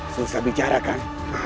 susah bicara kan